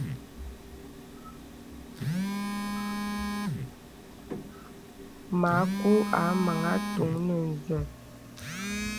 Makù a maŋā àtuŋ nə zɛ̂.